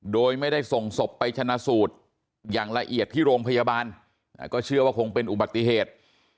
โดยไม่ได้ส่งศพไปชนะสูตรอย่างละเอียดที่โรงพยาบาลก็เชื่อว่าคงเป็นอุบัติเหตุ